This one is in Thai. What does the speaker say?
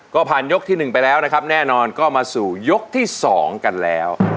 ก็ผ่านยกที่๑ไปแล้วนะครับแน่นอนก็มาสู่ยกที่๒กันแล้ว